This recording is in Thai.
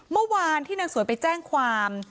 เมื่อวานที่นางสวยไปแจ้งความ